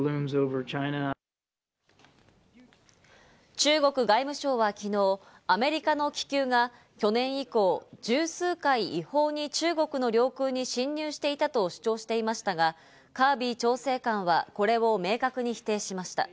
中国外務省は昨日、アメリカの気球が去年以降、十数回、違法に中国の領空に侵入していたと主張していましたが、カービー調整官はこれを明確に否定しました。